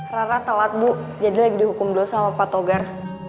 rara telat bu jadi lagi dihukum dulu sama pak togar